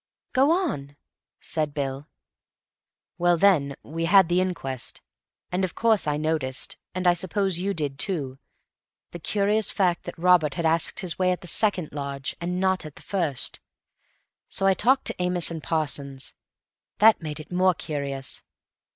"Go on," said Bill. "Well, then, we had the inquest, and of course I noticed, and I suppose you did too, the curious fact that Robert had asked his way at the second lodge and not at the first. So I talked to Amos and Parsons. That made it more curious.